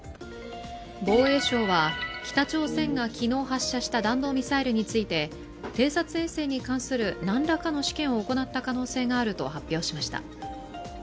防衛省は、北朝鮮が昨日、発射した弾道ミサイルについて偵察衛星に関する何らかの試験を行った可能性があると発表しました。